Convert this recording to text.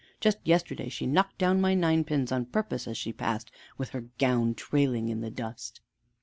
Just yesterday she knocked down my ninepins on purpose as she passed with her gown trailing in the dust."